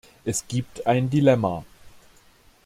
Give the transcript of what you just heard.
Es gibt ein Dilemma.